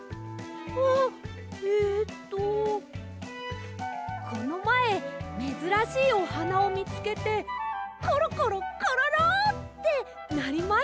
あえっとこのまえめずらしいおはなをみつけてコロコロコロロ！ってなりました。